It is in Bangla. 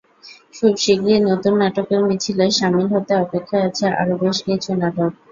খুব শিগগির নতুন নাটকের মিছিলে শামিল হতে অপেক্ষায় আছে আরও বেশ কিছু নাটক।